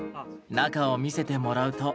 中を見せてもらうと。